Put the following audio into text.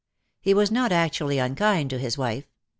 He was not actually unkind to his wife.